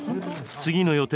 次の予定？